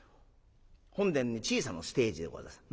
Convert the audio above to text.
本殿に小さなステージでございます。